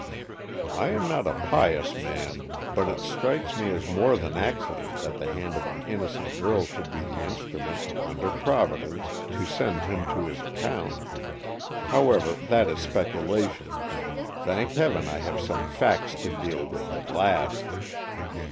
I am not a pious man, but it strikes me as more than accident that the hand of an innocent girl should be the instrument, under Providence, to send him to his account. However, that is speculation. Thank heaven I have some facts to deal with, at last."